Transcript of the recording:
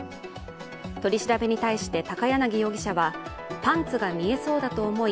取り調べに対して高柳容疑者は、パンツが見えそうだと思い